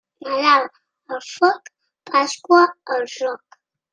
Nadal al foc, Pasqua al joc.